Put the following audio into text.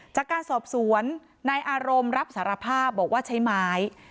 จากการสอบสวนนายอารมณ์รับสารภาพบอกว่าใช้ไม้